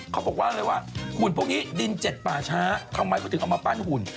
เขาบอกว่าเลยว่าหุ่นพวกนี้ดินเจ็ดป่าช้าทำไมเขาถึงเอามาปั้นหุ่น